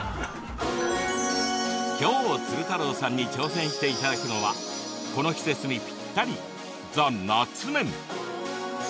きょう、鶴太郎さんに挑戦していただくのはこの季節にぴったり「ＴＨＥ夏麺」。